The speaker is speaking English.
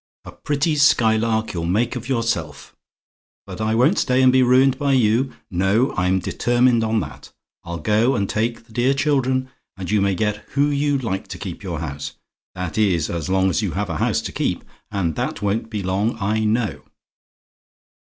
A pretty skylark you'll make of yourself! But I won't stay and be ruined by you. No: I'm determined on that. I'll go and take the dear children, and you may get who you like to keep your house. That is, as long as you have a house to keep and that won't be long, I know.